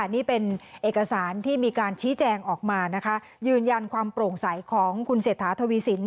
นี่เป็นเอกสารที่มีการชี้แจงออกมานะคะยืนยันความโปร่งใสของคุณเศรษฐาทวีสิน